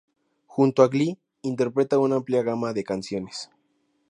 Junto a Glee interpreta una amplia gama de canciones.